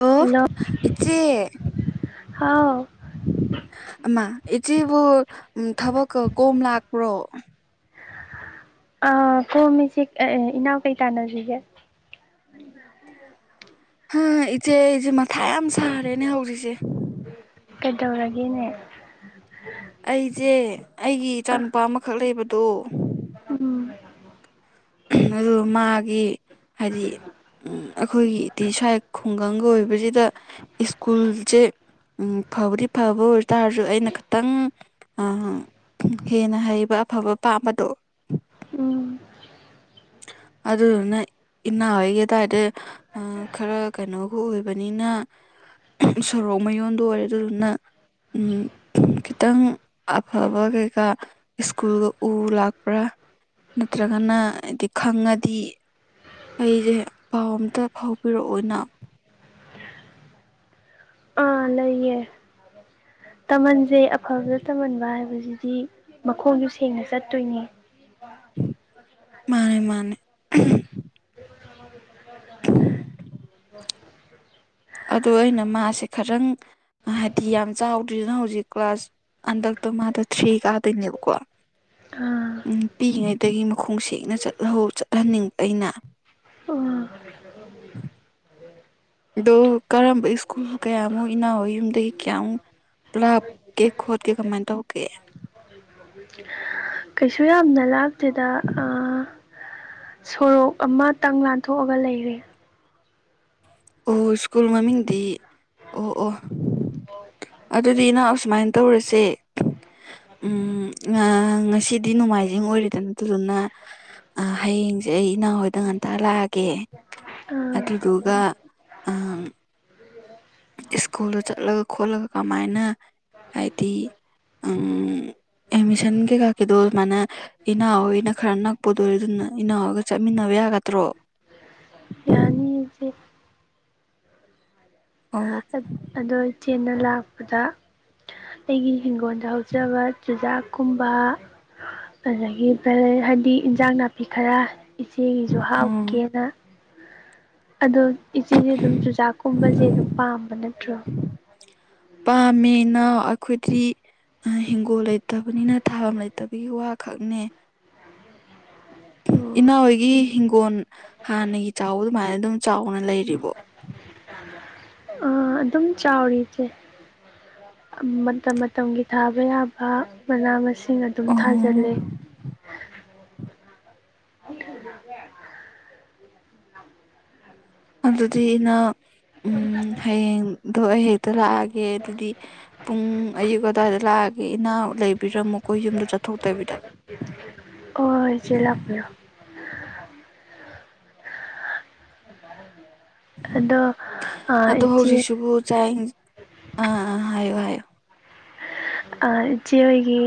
ꯑꯣ ꯍꯜꯂꯣ ꯏꯆꯦ ꯍꯥꯎ ꯑ ꯏꯆꯦꯕꯨ ꯊꯕꯛ ꯀꯣꯝ ꯂꯥꯛꯄ꯭ꯔꯣ ꯑ ꯀꯣꯝꯃꯤꯁꯤꯦ ꯏꯅꯥꯎ ꯀꯩ ꯇꯥꯟꯅꯁꯤꯒꯦ ꯍꯥ ꯏꯆꯦ ꯏꯆꯦ ꯃꯊꯥ ꯌꯥꯝ ꯁꯥꯔꯦꯅꯦ ꯍꯧꯖꯤꯛꯁꯦ ꯀꯩꯗꯧꯔꯒꯦꯅꯦ ꯑꯩꯁꯦ ꯑꯩꯒꯤ ꯏꯆꯥ ꯑꯥ ꯅꯨꯨꯄꯥ ꯑꯃꯈꯛ ꯂꯩꯕꯗꯣ ꯎꯝ ꯑꯗꯨ ꯃꯥꯒꯤ ꯍꯥꯏꯗꯤ ꯑꯩꯈꯣꯏꯒꯤ ꯏꯇꯤ ꯁꯥꯏ ꯈꯨꯡꯒꯪꯒ ꯑꯣꯏꯕꯁꯤꯗ ꯁ꯭ꯀꯨꯜꯁꯦ ꯎꯝ ꯐꯕꯗꯤ ꯐꯕ ꯑꯣꯏꯇꯥꯔꯁꯨ ꯑꯩꯅ ꯈꯤꯇꯪ ꯍꯦꯟꯅ ꯍꯩꯕ ꯑꯐꯕ ꯄꯥꯝꯕꯗꯣ ꯎꯝ ꯑꯗꯨꯅ ꯅꯪ ꯏꯟꯅ ꯍꫭꯏꯒꯤ ꯑꯗꯥꯏꯗ ꯈꯔ ꯀꯩꯅꯣꯒ ꯑꯣꯏꯕꯅꯤꯅ ꯁꯣꯔꯣꯛ ꯃꯌꯣꯟꯗꯣ ꯑꯣꯏꯔꯦ ꯑꯗꯨꯗꯨꯅ ꯎꯝ ꯈꯤꯇꯪ ꯑꯐꯕ ꯀꯩꯀꯥ ꯏꯁ꯭ꯀꯨꯜꯒ ꯎ ꯂꯥꯛꯄ꯭ꯔꯥ ꯅꯠꯇ꯭ꯔꯒꯅ ꯈꯪꯉꯗꯤ ꯑꯩꯁꯦ ꯄꯥꯎ ꯑꯝꯇ ꯐꯥꯎꯕꯤꯔꯛꯑꯣꯅ ꯑ ꯂꯩꯌꯦ ꯇꯝꯍꯟꯁꯦ ꯑꯐꯕꯗ ꯇꯝꯍꯟꯕ ꯍꯥꯏꯕꯁꯤꯗꯤ ꯃꯈꯣꯡꯁꯨ ꯁꯦꯡꯅ ꯆꯠꯇꯣꯏꯅꯤ ꯃꯥꯅꯦ ꯃꯥꯅꯦ ꯑꯗꯣ ꯑꯩꯅ ꯃꯥꯁꯦ ꯈꯇꯪ ꯍꯥꯏꯗꯤ ꯌꯥꯝ ꯆꯥꯎꯗ꯭ꯔꯤꯅ ꯍꯧꯖꯤꯛ ꯀ꯭ꯂꯥꯁ ꯍꯟꯗꯛꯇꯣ ꯃꯥꯗꯣ ꯊ꯭ꯔꯤ ꯀꯥꯗꯣꯏꯅꯦꯕꯀꯣ ꯑꯥ ꯎꯝ ꯄꯤꯛꯏꯉꯩꯗꯒꯤ ꯃꯈꯣꯡ ꯁꯦꯡꯅ ꯆꯠꯍꯧ ꯆꯠꯍꯟꯅꯤꯡꯕ ꯑꯩꯅ ꯑꯣ ꯎꯝ ꯑꯗꯣ ꯀꯔꯝꯕ ꯏꯁ꯭ꯀꯨꯜ ꯀꯌꯥꯃꯨꯛ ꯏꯅꯥꯎꯣꯏ ꯌꯨꯝꯗꯒꯤ ꯀꯌꯥꯃꯨꯛ ꯂꯥꯞꯀꯦ ꯈꯣꯠꯀꯦ ꯀꯃꯥꯏ ꯇꯧꯒꯦ ꯀꯩꯁꯨ ꯌꯥꯝꯅ ꯂꯥꯞꯇꯦꯗ ꯑꯥ ꯁꯣꯔꯣꯛ ꯑꯃꯇꯪ ꯂꯥꯟꯊꯣꯛꯑꯒ ꯂꯩꯔꯦ ꯑꯣ ꯏꯁ꯭ꯀꯨꯜ ꯃꯃꯤꯡꯗꯤ ꯑꯣ ꯑꯣ ꯑꯗꯨꯗꯤ ꯅꯪ ꯑꯁꯨꯃꯥꯏ ꯇꯧꯔꯁꯦ ꯎꯝ ꯉꯁꯤꯗꯤ ꯅꯣꯡꯃꯥꯏꯖꯤꯡ ꯑꯣꯏꯔꯤꯗꯅ ꯑꯗꯨꯗꯨꯅ ꯍꯌꯦꯡꯁꯦ ꯑꯩ ꯏꯅꯥꯎ ꯍꯣꯏꯗ ꯉꯟꯇ ꯂꯥꯛꯑꯒꯦ ꯑꯥ ꯑꯗꯨꯗꯨꯒ ꯑꯥ ꯏꯁ꯭ꯀꯨꯜꯗ ꯆꯠꯂꯒ ꯈꯣꯠꯂꯒ ꯀꯃꯥꯏꯅ ꯍꯥꯏꯗꯤ ꯑꯪ ꯑꯦꯃꯤꯁꯟ ꯀꯩ ꯀꯥ ꯒꯤꯗꯨꯣ ꯑꯗꯨꯃꯥꯏꯅ ꯏꯅꯥꯎ ꯍꯣꯏꯅ ꯈꯔ ꯅꯛꯄꯗꯣ ꯑꫭꯏꯔꯦ ꯑꯗꯨꯅ ꯏꯅꯥꯎ ꯍꫭꯥꯒ ꯆꯠꯃꯤꯟꯅꯕ ꯌꯥꯒꯗ꯭ꯔꯣ ꯌꯥꯅꯤꯌꯦ ꯏꯆꯦ ꯑꯣ ꯑꯗꯣ ꯏꯆꯦꯅ ꯂꯥꯛꯄꯗ ꯑꯩꯒꯤ ꯍꯤꯡꯒꯣꯜꯗ ꯍꯧꯖꯕ ꯆꯨꯖꯥꯛꯀꯨꯝꯕ ꯑꯗꯨꯗꯒꯤ ꯍꯥꯏꯗꯤ ꯏꯟꯖꯥꯡ ꯅꯥꯄꯤ ꯈꯔ ꯏꯆꯦꯒꯤꯁꯨ ꯎꯝ ꯍꯥꯞꯀꯦꯅ ꯑꯗꯣ ꯏꯆꯦꯁꯦ ꯑꯗꯨꯝ ꯆꯨꯖꯥꯛꯀꯨꯝꯕꯁꯦ ꯑꯗꯨꯝ ꯄꯥꯝꯕ ꯅꯠꯇ꯭ꯔꯣ ꯄꯥꯝꯃꯦ ꯏꯅꯥꯎ ꯑꯩꯈꯣꯏꯗꯤ ꯍꯤꯡꯒꯣꯜ ꯂꯩꯇꯕꯅꯤꯅ ꯊꯥꯐꯝ ꯂꯩꯇꯕꯒꯤ ꯋꯥꯈꯛꯅꯦ ꯏꯅꯥꯎꯍꫭꯏꯒꯤ ꯍꯤꯡꯒꯣꯜ ꯍꯥꯟꯅꯒꯤ ꯆꯥꯎꯕ ꯑꯗꯨꯃꯥꯏꯅ ꯑꯗꯨꯝ ꯆꯥꯎꯅ ꯂꯩꯔꯤꯕꯣ ꯍꫭꯏ ꯑꯗꯨꯝ ꯆꯥꯎꯔꯤ ꯏꯆꯦ ꯃꯇꯝ ꯃꯇꯝꯒꯤ ꯊꯥꯕ ꯌꯥꯕ ꯃꯅꯥ ꯃꯁꯤꯡ ꯑꯗꯨꯝ ꯑꯣ ꯊꯥꯖꯤꯜꯂꯦ [unintelligible] ꯑꯗꯨꯗꯤ ꯅꯪ ꯎꯝ ꯍꯌꯦꯡꯗꯣ ꯑꯩ ꯍꯦꯛꯇ ꯂꯥꯛꯑꯒꯦ ꯑꯗꯨꯗꯤ ꯄꯨꯡ ꯑꯌꯨꯛ ꯑꯗꯨꯋꯥꯏꯗ ꯂꯥꯛꯑꯒꯦ ꯏꯅꯥꯎ ꯂꯩꯕꯤꯔꯝꯃꯣ ꯀꫭ ꯌꯨꯝꯗ ꯆꯠꯊꯣꯛꯇꯕꯤꯗ ꯍꫭꯏ ꯆꯦ ꯂꯥꯛꯄꯤꯔꯣ ꯑꯗꯣ ꯑꯗꯣ ꯏꯆꯦ ꯍꯧꯖꯤꯛꯁꯤꯕꯨ ꯆꯥꯛ ꯑꯥ ꯑꯥ ꯍꯥꯏꯌꯣ ꯍꯥꯏꯌꯣ ꯑꯥ ꯏꯆꯦ ꯍꯣꯏꯒꯤ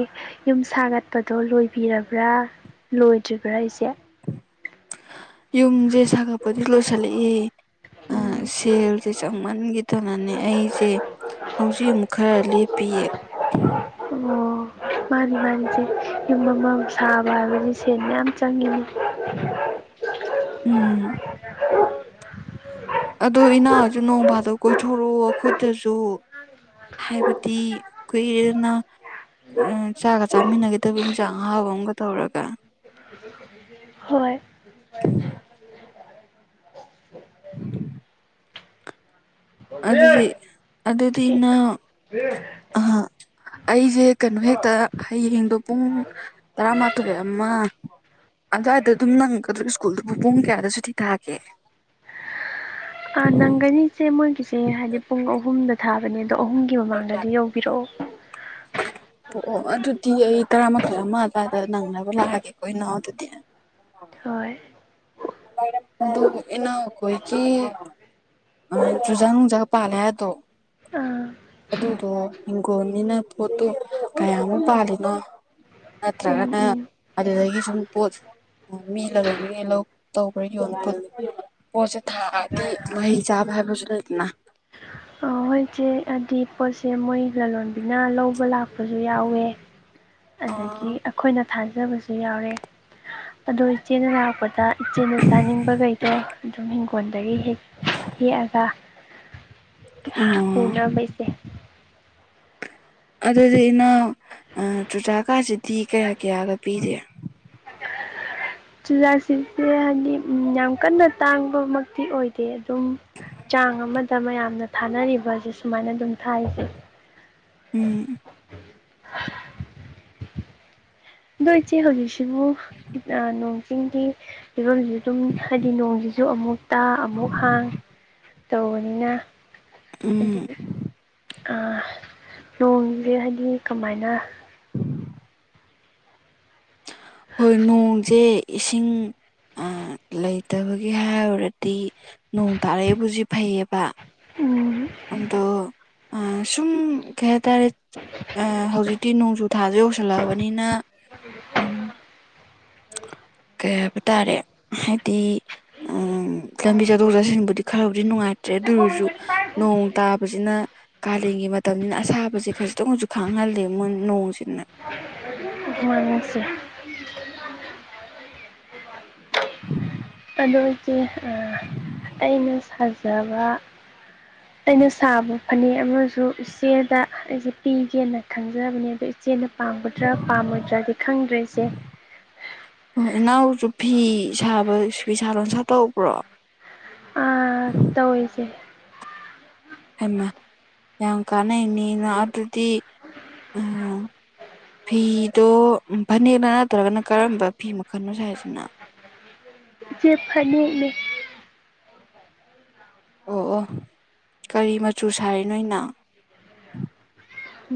ꯌꯨꯝ ꯁꯥꯒꯠꯄꯗꯣ ꯂꯣꯏꯕꯤꯔꯕ꯭ꯔꯥ ꯂꯣꯏꯗ꯭ꯔꯤꯕ꯭ꯔꯥ ꯏꯆꯦ ꯌꯨꯝꯁꯦ ꯁꯥꯒꯠꯄꯗꯤ ꯂꯣꯏꯁꯤꯜꯂꯛꯑꯦ ꯑ ꯎꯝ ꯁꯦꯜ ꯁꯦ ꯆꯪꯃꯟꯈꯤꯗꯅꯅꯦ ꯑꯩꯁꯦ ꯍꯧꯖꯤꯛ ꯑꯃꯨꯛ ꯈꯔ ꯂꯦꯞꯄꯤꯌꯦ ꯑꯣ ꯃꯥꯅꯤ ꯃꯥꯅꯤ ꯏꯆꯦ ꯌꯨꯝ ꯑꯃ ꯁꯥꯕ ꯍꯥꯏꯕꯁꯦ ꯁꯦꯟ ꯃꯌꯥꯝ ꯆꯪꯉꯤꯅꯤ ꯎꯝ ꯑꯗꯣ ꯏꯅꯥꯎꯁꯨ ꯅꯣꯡ ꯐꯥꯗꯣꯛ ꯀꯣꯏꯊꯣꯔꯛꯑꯣ ꯑꯩꯈꯣꯏꯗꯁꯨ ꯍꯥꯏꯕꯗꯤ ꯀꯨꯏꯔꯅ ꯆꯥꯒ ꯆꯥꯃꯤꯟꯅꯒꯤꯗꯕ ꯏꯟꯁꯥꯡ ꯑꯍꯥꯎꯕ ꯑꯃꯒ ꯇꯧꯔꯒ ꯍꯣꯏ [unintelligible] ꯑꯗꯨꯗꯤ ꯑꯗꯨꯗꯤ ꯅꯥꯎ ꯑꯥ ꯑꯩꯁꯦ ꯀꯩꯅꯣ ꯍꯦꯛꯇ ꯍꯌꯦꯡꯗꯣ ꯄꯨꯡ ꯇꯔꯥꯃꯥꯊꯣꯏ ꯑꯃ ꯑꯗꯨꯋꯥꯏꯗ ꯑꯗꯨꯝ ꯅꯪꯒꯗ꯭ꯔꯣ ꯁ꯭ꯀꯨꯜꯗꯨꯕꯨ ꯄꯨꯡ ꯀꯌꯥꯗ ꯁꯨꯇꯤ ꯊꯥꯒꯦ ꯑ ꯅꯪꯒꯅꯤ ꯁꯦ ꯃꯣꯏꯒꯤꯁꯦ ꯍꯥꯏꯗꯤ ꯄꯨꯡ ꯑꯍꯨꯝꯗꯗꯤ ꯊꯥꯕꯅꯦ ꯑꯗꯣ ꯑꯍꯨꯝꯒꯤ ꯃꯃꯥꯡꯗꯗꯤ ꯌꯧꯕꯤꯔꯛꯑꯣ ꯑꯣ ꯑꯣ ꯑꯗꯨꯗꯤ ꯑꯩ ꯇꯔꯥꯃꯥꯊꯣꯏ ꯑꯃ ꯑꯗꯨꯋꯥꯏꯗ ꯅꯪꯅꯕ ꯂꯥꯛꯑꯒꯦꯀꯣ ꯏꯅꯥꯎ ꯑꯗꯨꯗꯤ ꯍꯣꯏ ꯏꯅꯥꯎꯈꯣꯏꯒꯤ ꯑ ꯆꯨꯖꯥꯛ ꯅꯨꯡꯖꯥꯛꯀ ꯄꯥꯜꯂꯦ ꯍꯥꯏꯔꯒ ꯇꯧ ꯑꯥ ꯑꯗꯨꯗꯣ ꯍꯤꯡꯒꯣꯜꯅꯤꯅ ꯄꯣꯠꯇꯣ ꯀꯌꯥꯃꯨꯛ ꯄꯥꯜꯂꯤꯅꯣ ꯎꯝ ꯅꯠꯇ꯭ꯔꯒꯅ ꯎꯝ ꯑꯗꯨꯗꯒꯤ ꯁꯨꯝ ꯄꯣꯠ [unintelligible] ꯂꯧ ꯇꯧꯕ꯭ꯔꯥ ꯌꯣꯟꯕ ꯄꯣꯠꯁꯦ ꯊꯥꯑꯗꯤ ꯃꯍꯩ ꯆꯥꯕ ꯍꯥꯏꯕꯖꯨ ꯂꯩꯗꯅ ꯃꯣꯏꯁꯦ ꯍꯥꯏꯗꯤ ꯄꯣꯠꯁꯦ ꯃꯣꯏ ꯂꯂꯣꯟꯕꯤꯅ ꯂꯧꯕ ꯂꯥꯛꯄꯁꯨ ꯌꯥꯎꯋꯦ ꯑꯗꯒꯤ ꯑꯣ ꯑꯩꯈꯣꯏꯅ ꯊꯥꯖꯕꯁꯨ ꯌꯥꯎꯔꯦ ꯑꯗꯣ ꯏꯆꯦꯅ ꯂꯥꯛꯄꯗ ꯗ ꯏꯆꯦꯅ ꯆꯥꯅꯤꯡꯕꯈꯩꯗꯣ ꯑꯗꯨꯝ ꯍꯤꯡꯒꯣꯜꯗꯒꯤ ꯍꯦꯛꯑꯒ ꯎꯅꯕꯩꯁꯦ ꯑꯗꯨꯗꯤ ꯅꯪ ꯆꯨꯨꯖꯥꯛ ꯀꯥꯁꯤꯗꯤ ꯀꯌꯥ ꯀꯌꯥꯒ ꯄꯤꯔꯤ ꯆꯨꯖꯥꯛꯁꯤꯡꯁꯦ ꯍꯥꯏꯗꯤ ꯌꯥꯝ ꯀꯟꯅ ꯇꯥꯡꯕꯃꯛꯇꯤ ꯑꯣꯏꯗꯦ ꯑꯗꯨꯝ ꯆꯥꯡ ꯑꯃꯗ ꯃꯌꯥꯝꯅ ꯊꯥꯅꯔꯤꯕꯁꯦ ꯁꯨꯃꯥꯏꯅ ꯑꯗꯨꯝ ꯊꯥꯏꯁꯦ ꯎꯝ ꯑꯗꯣ ꯏꯆꯦ ꯍꯧꯖꯤꯛꯁꯤꯕꯨꯨ ꯅꯣꯡ ꯆꯤꯡꯒꯤ ꯐꯤꯔꯣꯟꯁꯤꯁꯨ ꯑꯗꯨꯝ ꯍꯥꯏꯗꯤ ꯅꯣꯡꯁꯤꯁꯨ ꯑꯃꯨꯛ ꯇ ꯑꯃꯨꯛ ꯍꯥꯡ ꯇꯧꯕꯅꯤꯅ ꯍꯥꯏꯗꯤ ꯎꯝ ꯑ ꯅꯣꯡꯁꯦ ꯍꯥꯏꯗꯤ ꯀꯃꯥꯏꯅ ꯍꯣꯏ ꯅꯣꯡꯁꯦ ꯏꯁꯤꯡ ꯂꯩꯇꯕꯒꯤ ꯍꯥꯏꯔꯨꯔꯗꯤ ꯅꯣꯡ ꯇꯥꯔꯛꯏꯕꯨꯖꯤ ꯐꯩꯌꯦꯕ ꯑꯗꯣ ꯑ ꯁꯨꯝ ꯀ ꯍꯥꯏꯇꯥꯔꯦ ꯍꯧꯖꯤꯛꯇꯤ ꯅꯣꯡꯖꯨ ꯊꯥꯁꯦ ꯌꯧꯁꯤꯜꯂꯛꯑꯕꯅꯤꯅ ꯎꯝ ꯀꯩ ꯍꯥꯏꯕ ꯇꯥꯔꯦ ꯍꯥꯏꯗꯤ ꯎꯝ ꯂꯝꯕꯤ ꯆꯠꯊꯣꯛ ꯆꯠꯁꯤꯟꯕꯨꯗꯤ ꯈꯔꯕꯨꯗꯤ ꯅꯨꯡꯉꯥꯏꯇ꯭ꯔꯦ ꯑꯗꯨ ꯑꯣꯏꯔꯁꯨ ꯅꯣꯡ ꯇꯥꯕꯁꯤꯅ ꯀꯥꯂꯦꯟꯒꯤ ꯃꯇꯝꯅꯤꯅ ꯑꯁꯥꯕꯁꯦ ꯈꯖꯤꯛꯇꯪ ꯑꯣꯏꯔꯁꯨ ꯈꯥꯡꯍꯜꯂꯦ ꯃꯨ ꯅꯣꯡꯁꯤꯅ [inaudible] [inaudible] ꯑꯗꯨ ꯏꯆꯦ ꯑꯩꯅ ꯁꯥꯖꯕ [inaudible] ꯑꯩꯅ ꯁꯥꯕ ꯐꯅꯦꯛ ꯑꯃꯁꯨ ꯏꯆꯦꯗ ꯑꯩꯁꯦ ꯄꯤꯒꯦꯅ ꯈꯪꯖꯕꯅꯦ ꯑꯗ ꯏꯆꯦꯅ ꯄꯥꯝꯒꯗ꯭ꯔꯥ ꯄꯥꯝꯃꯣꯏꯗ꯭ꯔꯗꯤ ꯈꯪꯗ꯭ꯔꯦ ꯏꯆꯦ ꯑꯣ ꯏꯅꯥꯎꯁꯨꯨꯞ ꯐꯤ ꯁꯥꯕ ꯐꯤꯁꯥ ꯂꯣꯟꯁꯥ ꯇꯧꯕ꯭ꯔꯣ ꯍꯣꯏꯒꯤ ꯍꯃ ꯌꯥꯝ ꯀꯥꯟꯅꯩꯅꯤꯅ ꯑꯗꯨꯗꯤ ꯎ ꯐꯤꯗꯣ ꯐꯅꯦꯛꯅ ꯅꯠꯇ꯭ꯔꯒꯅ ꯀꯔꯝꯕ ꯐꯤ ꯃꯈꯜꯅꯣ ꯁꯥꯏ ꯍꯥꯏꯁꯤꯅ ꯆꯦꯞ ꯐꯅꯦꯛꯅꯦ ꯑꯣ ꯑꯣ ꯀꯔꯤ ꯃꯆꯨ ꯁꯥꯔꯤ ꯅꯣꯏꯅ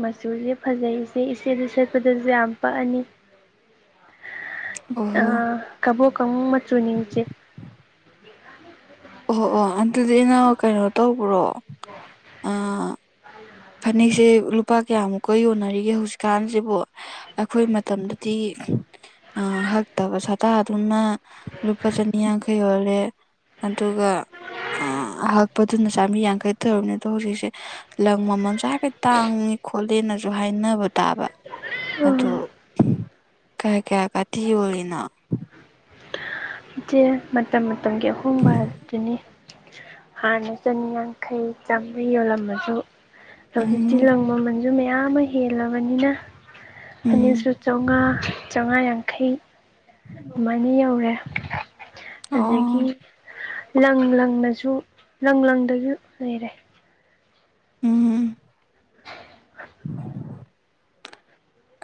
ꯃꯆꯨꯁꯦ ꯐꯖꯩꯁꯦ ꯏꯆꯦꯁ ꯁꯦꯠꯄꯗꯁꯨ ꯌꯥꯝ ꯄꯛꯑꯅꯤ ꯑ ꯑꯣꯍꯣ ꯀꯕꯣ ꯀꯃꯆꯨ ꯅꯤꯡꯆꯦ ꯑꯣ ꯑꯣ ꯑꯗꯨꯗꯤ ꯅ ꯀꯩꯅꯣ ꯇꯧꯕ꯭ꯔꯣ ꯑ ꯑ ꯐꯅꯦꯛꯁꯦ ꯂꯨꯄꯥ ꯀꯌꯥꯃꯨꯛꯀ ꯌꯣꯟꯅꯔꯤꯒꯦ ꯍꯧꯖꯤꯛꯀꯥꯟꯁꯤꯕꯨ ꯑꯩꯈꯣꯏ ꯃꯇꯝꯗꯗꯤ ꯑ ꯍꯛꯇꯕ ꯁꯥꯇꯥꯗꯨꯅ ꯂꯨꯄꯥ ꯆꯅꯤ ꯌꯥꯡꯈꯩ ꯑꯣꯣꯜꯂꯦ ꯑꯗꯨꯒ ꯑꯍꯛꯄꯗꯨꯅ ꯆꯥꯝꯃꯔꯤ ꯌꯥꯡꯈꯩ ꯇꯧꯔꯕꯅꯤ ꯑꯗꯣ ꯍꯧꯖꯤꯛꯁꯦ ꯃꯃꯜꯁꯨ ꯍꯥꯏꯐꯦꯠ ꯇꯥꯡꯉ ꯈꯣꯠꯂꯦꯅꯁꯨ ꯍꯥꯏꯅꯕ ꯇꯥꯕ ꯑꯗꯣ ꯀꯌꯥ ꯀꯌꯥ ꯀꯥꯇꯤ ꯌꯣꯜꯂꯤꯅꯣ ꯏꯆꯦ ꯃꯇꯝ ꯃꯇꯝꯒꯤ ꯑꯍꯣꯡꯕ ꯑꯗꯨꯅꯤ ꯍꯥꯟꯅ ꯆꯅꯤꯌꯥꯡꯈꯩ ꯆꯥꯝꯃꯔꯤꯩ ꯌꯣꯜꯂꯝꯃꯁꯨ ꯍꯧꯖꯤꯛꯇꯤ ꯎꯝ ꯂꯪ ꯃꯃꯜꯁꯨ ꯃꯌꯥꯝ ꯑꯃ ꯍꯦꯜꯂꯕꯅꯤꯅ ꯎꯝ ꯐꯅꯤꯁꯨ ꯆꯥꯃꯉꯥ ꯆꯥꯃꯉꯥ ꯌꯥꯡꯈꯩ ꯑꯗꯨꯃꯥꯏꯅ ꯌꯧꯔꯦ ꯑꯗꯒꯤ ꯑꯣ ꯂꯪ ꯂꯪꯅꯁꯨ ꯂꯪ ꯂꯪꯗꯁꯨ ꯂꯩꯔꯦ ꯎꯝ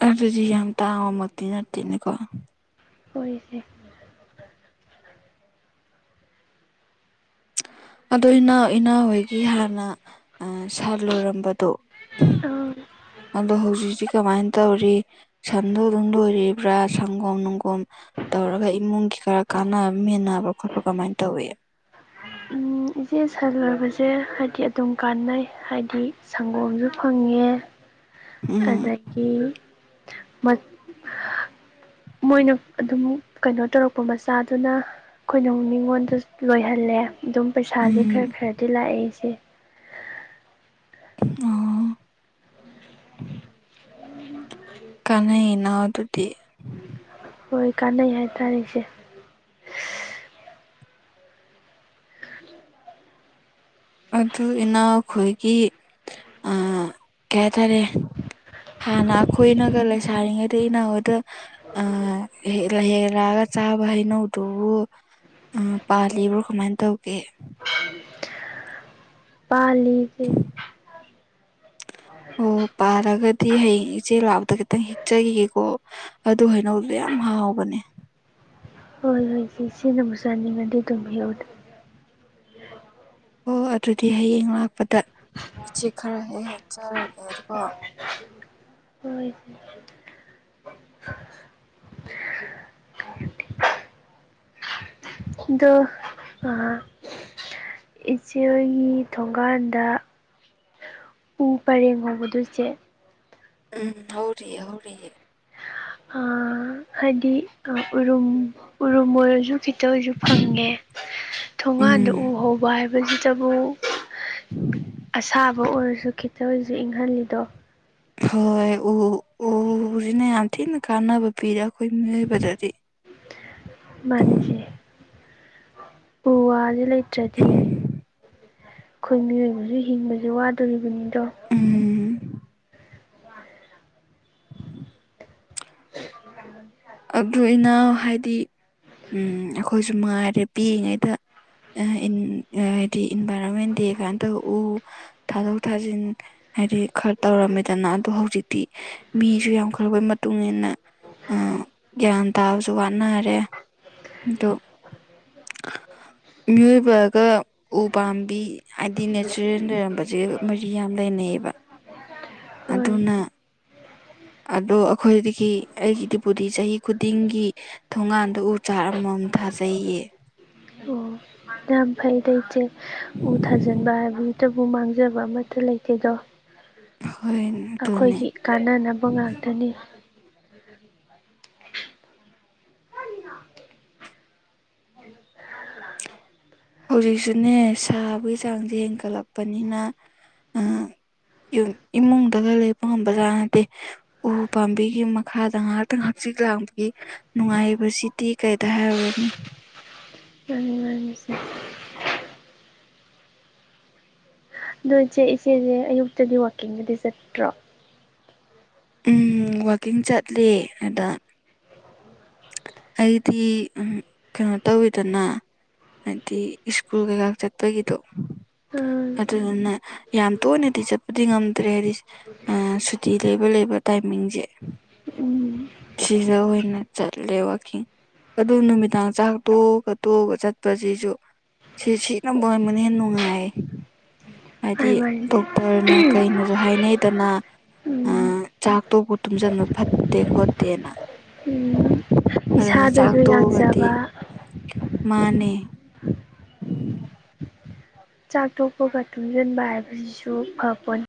ꯑꯗꯨꯖꯤ ꯌꯥꯝ ꯇꯥꯉꯃꯗꯤꯤ ꯅꯠꯇꯅꯦꯀꯣ ꯑꯣꯏꯁ ꯑꯣ ꯏꯅꯥꯎ ꯏꯅꯥꯎ ꯍꯣꯏꯒꯤ ꯍꯥꯟꯅ ꯁꯥ ꯂꯣꯏꯔꯝꯕꯗꯣ ꯑꯗꯣ ꯍꯧꯖꯤꯛꯛꯇꯤ ꯀꯃꯥꯏꯅ ꯇꯧꯔꯤ ꯁꯟꯗꯣ ꯑꯗꯨꯝ ꯂꯣꯏꯔꯤꯕ꯭ꯔꯥ ꯁꯪꯒꯣꯝ ꯅꯨꯡꯒꯣꯝ ꯇꯧꯔꯒ ꯏꯃꯨꯡꯒꯤ ꯈꯔ ꯀꯥꯟꯅꯕ ꯃꯦꯟꯅꯕ ꯈꯣꯠꯄ ꯀꯃꯥꯏꯅ ꯇꯧꯏ ꯏꯆꯦ ꯁꯂꯨꯕꯁꯦ ꯍꯥꯏꯗꯤ ꯑꯗꯨꯝ ꯀꯥꯟꯅꯩ ꯍꯥꯏꯗꯤ ꯁꯪꯒꯣꯝꯁꯨ ꯐꯪꯉꯦ ꯎꯝ ꯑꯗꯒꯤ ꯃ ꯃꯣꯏꯅ ꯑꯗꯨꯝ ꯀꯩꯅꯣ ꯇꯧꯔꯛꯄ ꯃꯆꯥꯗꯨꯅ ꯑꯩꯈꯣꯏꯅ ꯃꯤꯉꯣꯟꯗ ꯂꯣꯏꯍꯜꯂꯦ ꯑꯗꯨꯝ ꯄꯩꯁꯥꯁꯦ ꯎꯝ ꯈꯔ ꯈꯔꯗꯤ ꯂꯥꯛꯑꯦꯁꯦ ꯑꯣ ꯀꯅꯥꯅꯎ ꯑꯗꯨꯗꯤ ꯍꯣꯏ ꯀꯥꯟꯅꯩ ꯍꯥꯏꯇꯥꯔꯦ ꯏꯁꯦ ꯑꯗꯨ ꯏꯅꯥꯎ ꯈꯣꯏꯒꯤ ꯑ ꯀꯩ ꯍꯥꯏꯇꯥꯔꯦ ꯍꯥꯟꯅ ꯑꯩꯈꯣꯏꯅꯒ ꯂꯩꯁꯥꯔꯤꯉꯩꯗ ꯏꯩꯅꯍꯣꯏꯗ ꯑ ꯍ ꯍꯦꯛꯂꯛꯑꯒ ꯆꯥꯕ ꯍꯩꯅꯧꯗꯨ ꯄꯥꯜꯂꯤꯕ꯭ꯔꯣ ꯀꯃꯥꯏꯅ ꯇꯧꯒꯦ ꯎ ꯑꯣ ꯄꯥꯔꯒꯗꯤ ꯍꯌꯦꯡ ꯏꯆꯦ ꯂꯥꯛꯄꯗ ꯈꯤꯇꯪ ꯍꯦꯛꯆꯈꯤꯒꯦꯀꯣ ꯑꯗꯨ ꯍꯥꯏꯅꯧꯕꯗꯣ ꯌꯥꯝ ꯍꯥꯎꯕꯅꯦ ꯍꯣꯏ ꯍꯣꯏ ꯁꯤ ꯁꯤꯅꯕꯨ ꯆꯥꯅꯤꯡꯉꯗꯤ ꯇꯨꯝꯕꯤꯎꯗ ꯑꯣ ꯑꯗꯨꯗꯤ ꯍꯌꯦꯡ ꯂꯥꯛꯄꯗ ꯎꯆꯆꯦꯛ ꯈꯔ ꯍꯦꯛ ꯍꯦꯛꯆꯔꯒꯦ ꯑꯗꯨꯒꯣ ꯍꯣꯏ ꯑꯗꯣ ꯏꯆꯦꯣꯏꯒꯤ ꯊꯣꯡꯒꯥꯟꯗ ꯎ ꯄꯔꯦꯡ ꯍꯧꯕꯗꯨꯁꯦ ꯎꯝ ꯍꯧꯔꯤ ꯍꯔꯤ ꯑꯥ ꯍꯥꯏꯗꯤ ꯑ ꯎꯔ ꯎꯔꯃꯔꯖꯨ ꯈꯤꯇ ꯑꯣꯏꯁꯨ ꯐꯪꯉꯦ ꯊꯣꯡꯒꯥꯟꯗ ꯎ ꯎꯝ ꯍꯧꯕ ꯍꯥꯏꯕꯁꯤꯇꯕꯨ ꯑꯁꯥꯕ ꯑꯣꯏꯔꯁꯨ ꯈꯤꯇꯁꯨ ꯏꯪꯍꯜꯂꯤꯗꯣ ꯍꯣꯏ ꯎ ꯎꯁꯤꯅ ꯌꯥꯝ ꯊꯤꯅ ꯀꯥꯟꯅꯕ ꯄꯤꯔꯦ ꯑꯩꯈꯣꯏ ꯃꯤꯑꯣꯏꯕꯗꯗꯤ ꯃꯥꯅꯤꯁꯤ ꯎꯋꯥꯗꯤ ꯂꯩ ꯅꯠꯇ꯭ꯔꯗꯤ ꯑꯩꯈꯣꯏ ꯃꯤꯑꯣꯏꯕꯁꯨ ꯍꯤꯡꯕꯁꯦ ꯋꯥꯗꯣꯔꯤꯕꯅꯤꯗꯣ ꯎꯝ ꯑꯕꯗꯨ ꯏꯅꯥꯎ ꯍꯥꯏꯗꯤ ꯑꯩꯈꯣꯏꯁꯨ ꯃꯉꯥꯏꯔꯦ ꯄꯤꯛꯏꯉꯩꯗ ꯗꯤ ꯏꯟꯚꯥꯏꯔꯣꯟꯃꯦꯟ ꯌꯦꯀꯗ ꯎ ꯊꯥꯗꯣꯛ ꯊꯥꯖꯤꯟ ꯍꯥꯏꯗꯤ ꯈꯔ ꯇꯧꯔꯝꯃꯦꯗꯅ ꯑꯗꯣ ꯍꯧꯖꯤꯛꯇꯤ ꯃꯤꯁꯨ ꯌꯥꯝꯈꯂꯕꯩ ꯃꯇꯨꯡ ꯏꯟꯅ ꯑ ꯒ꯭ꯌꯥꯟ ꯇꯥꯕꯁꯨ ꯋꯥꯠꯅꯔꯦ ꯑꯣ ꯃꯤꯑꯣ꯭ꯏꯕꯒ ꯎꯄꯥꯥꯝꯕꯤ ꯍꯥꯏꯗꯤ ꯅꯦꯆꯔꯦꯜ ꯂꯩꯔꯝꯕꯁꯦꯒ ꯃꯔꯤ ꯌꯥꯝ ꯂꯩꯅꯩꯑꯌꯦꯕ ꯍꯣꯏ ꯑꯗꯨꯅ ꯑꯗꯣ ꯑꯩꯈꯣꯏꯗꯒꯤ ꯑꯩꯒꯤꯗꯤꯄꯗꯤ ꯆꯍꯤ ꯈꯨꯗꯤꯡꯒꯤ ꯊꯣꯡꯒꯥꯟꯗꯣ ꯎ ꯆꯥꯔ ꯑꯃꯃꯨꯝ ꯊꯥꯖꯩꯌꯦ ꯑꯣ ꯌꯥꯝ ꯐꯩꯗ ꯏꯆꯦ ꯎ ꯊꯥꯖꯤꯟꯕ ꯍꯥꯏꯕ ꯇꯕꯨ ꯃꯥꯡꯖꯕ ꯑꯃꯠꯇ ꯂꯩꯇꯦꯗꯣ ꯍꯣꯏ ꯑꯗꯨꯅꯦ ꯑꯩꯈꯣꯏꯒꯤ ꯀꯥꯟꯅꯅꯕ ꯉꯥꯛꯇꯅꯤ ꯍꯧꯖꯤꯛꯁꯨꯅꯦ ꯁꯥꯕꯒꯤ ꯆꯥꯡꯁꯦ ꯍꯦꯟꯒꯠꯂꯛꯄꯅꯤꯅ ꯏꯃꯨꯡꯗꯒ ꯂꯩꯕ ꯉꯝꯕꯖꯥꯠꯅꯗꯦ ꯎ ꯄꯥꯝꯕꯤꯒꯤ ꯃꯈꯥꯗ ꯉꯥꯏꯍꯥꯛꯇꯪ ꯍꯛꯆꯤꯛ ꯂꯥꯡꯕꯒꯤ ꯅꯨꯡꯉꯥꯏꯕꯁꯤꯗꯤ ꯀꯩꯗ ꯍꯥꯏꯔꯔꯅꯤ [unintelligible] ꯑꯗꯣ ꯏꯆꯦ ꯏꯆꯦꯁꯦ ꯑꯌꯨꯛꯇꯗꯤ ꯋꯥꯛꯀꯤꯡꯗꯗꯤ ꯆꯠꯇ꯭ꯔꯣ ꯎꯝ ꯋꯀꯤꯡ ꯆꯠꯂ ꯑꯗ ꯑꯩꯗꯤ ꯀꯩꯅꯣ ꯇꯧꯋꯤꯗꯅ ꯍꯥꯏꯗꯤ ꯁ꯭ꯀꯨꯜ ꯀꯩꯀꯥ ꯆꯠꯄꯒꯤꯗꯣ ꯎꯝ ꯑꯗꯨꯗꯨꯅ ꯌꯥꯝ ꯇꯣꯏꯅꯗꯤ ꯆꯠꯄꯗꯤ ꯉꯝꯗ꯭ꯔꯦ ꯍꯥꯏꯗꯤ ꯁꯨꯇꯤ ꯂꯩꯕ ꯂꯩꯕ ꯇꯥꯏꯃꯤꯡꯁꯦ [unintelligible] ꯁꯤꯗ ꯑꯣꯏꯅ ꯆꯠꯂꯦ ꯋꯥꯀꯤꯡ ꯑꯗꯨ ꯅꯨꯃꯤꯗꯥꯡ ꯆꯥꯛ ꯇꯣꯛꯑ ꯈ ꯇꯣꯛꯑꯒ ꯆꯠꯄꯁꯤꯁꯨ ꯁꯤ ꯁꯤꯕ ꯑꯣꯏꯔꯕꯅ ꯍꯦ ꯅꯨꯡꯉꯥꯏ ꯍꯥꯏꯗꯤ ꯃꯥꯅꯦ ꯃꯥꯅꯦ ꯗꯣꯛꯇꯔꯅ ꯀꯩꯅꯁꯨ ꯍꯥꯏꯅꯩꯗꯅ ꯎꯝ ꯆꯥꯛꯇꯣꯕꯨ ꯇꯨꯝꯁꯤꯟꯕ ꯐꯠꯇꯦ ꯈꯣꯠꯇꯦꯅ ꯎꯝ ꯑꯗꯨꯅ ꯆꯥꯛ ꯏꯁꯥꯗꯁꯨ ꯇꯣꯛꯑꯒꯗꯤ ꯌꯥꯡꯖꯕ ꯃꯥꯅꯦ ꯆꯥꯛ ꯇꯣꯛꯄꯒ ꯇꯨꯡꯁꯤꯟꯕ ꯍꯥꯏꯕꯁꯤꯁꯨ ꯑꯟ